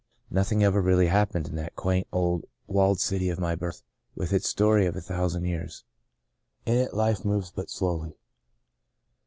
Nothing ever really happens in that quaint, old, walled The Second Spring 173 city of my birth, with its story of a thousand years ; in it life moves but slowly.